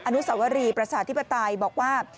อนุสวรีประชาธิปไตยบอกว่า